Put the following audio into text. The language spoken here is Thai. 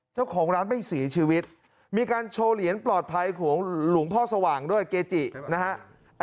เจ้าของร้านไม่เสียชีวิตมีการโชว์เหรียญปลอดภัยของหลวงพ่อสว่างด้วยเกจินะฮะ